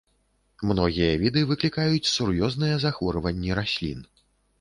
Многія віды выклікаюць сур'ёзныя захворванні раслін.